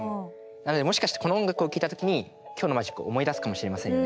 なのでもしかしてこの音楽を聴いた時に今日のマジックを思い出すかもしれませんね。